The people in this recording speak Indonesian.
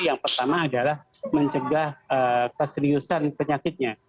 yang pertama adalah mencegah keseriusan penyakitnya